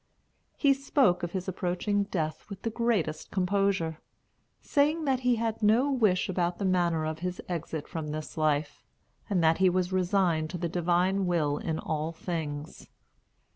He spoke of his approaching death with the greatest composure; saying that he had no wish about the manner of his exit from this life, that he was resigned to the Divine will in all things.